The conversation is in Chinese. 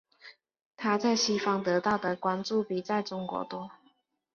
她在西方得到的关注比在中国多。